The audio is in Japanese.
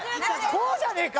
こうじゃねえか？